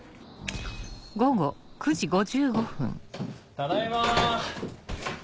ただいま！